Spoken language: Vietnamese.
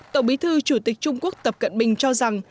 tổng bí thư chủ tịch trung quốc tập cận bình cho rằng